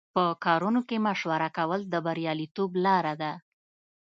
په کارونو کې مشوره کول د بریالیتوب لاره ده.